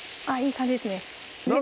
いい感じですね